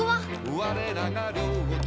「我らが領地」